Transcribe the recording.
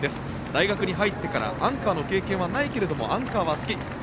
大学に入ってからアンカーの経験はないけどアンカーは好き。